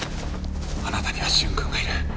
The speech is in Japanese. あなたには瞬くんがいる。